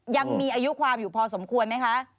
ยังมีอายุความอยู่พอสมควรไหมคะ